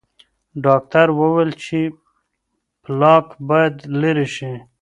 ډاکټر وویل چې پلاک باید لرې شي.